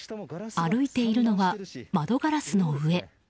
歩いているのは、窓ガラスの上。